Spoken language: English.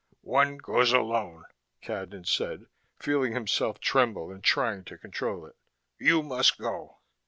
"One goes alone," Cadnan said, feeling himself tremble and trying to control it. "You must go."